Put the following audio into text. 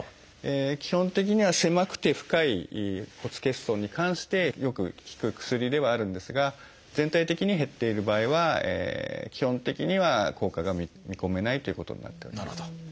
基本的には狭くて深い骨欠損に関してよく効く薬ではあるんですが全体的に減っている場合は基本的には効果が見込めないということになっております。